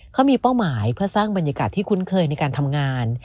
เขามีเป้าหมายเพื่อสร้างบรรยากาศที่คุ้นเคยในการทำงาน